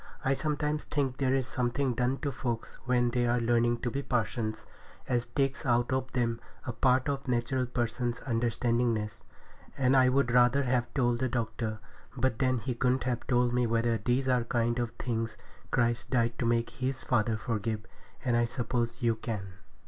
I sometimes think there is something done to folks when they are learning to be parsons as takes out of them a part of a natural person's understandingness; and I would rather have told the doctor, but then he couldn't have told me whether these are the kind of things Christ died to make His Father forgive, and I suppose you can.